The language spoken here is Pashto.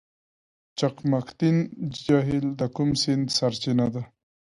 چقمقتین جهیل د کوم سیند سرچینه ده؟